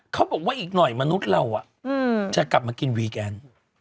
เขาบอกว่าอีกหน่อยมนุษย์เราจะกลับมากินวีแกน